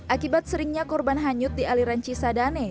akibat seringnya korban hanyut di aliran cisadane